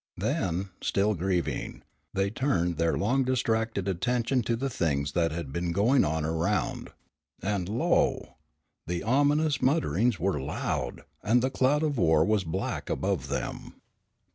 Then, still grieving, they turned their long distracted attention to the things that had been going on around, and lo! the ominous mutterings were loud, and the cloud of war was black above them.